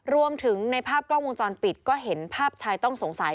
รวมถึงในภาพกล้องวงจรปิดก็เห็นภาพชายต้องสงสัย